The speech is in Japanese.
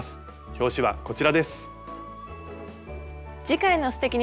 表紙はこちらです。